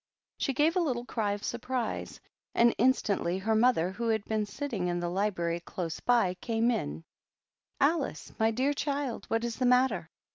She gave a little 308 THE PAGEANT. cry of surprise, and instantly her mother, who had been sitting in the library close by, came in. "Alice, my dear child, what is the matter?"